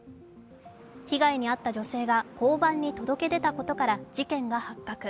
被害に遭った女性が交番に届け出たことから事件が発覚。